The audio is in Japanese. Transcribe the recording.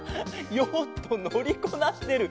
ヨットのりこなしてる。